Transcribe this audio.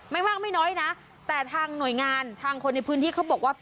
ไม่มากไม่น้อยนะแต่ทางหน่วยงานทางคนในพื้นที่เขาบอกว่า